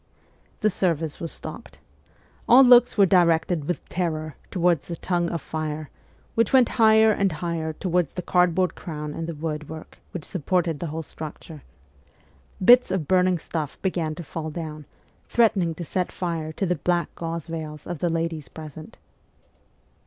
The service was stopped. All looks were directed with terror towards the tongue of fire, which went higher and higher towards the cardboard crown and the wood work which supported the whole structure. Bits of burning stuff began to fall down, threatening to set fire to the black gauze veils of the ladies present.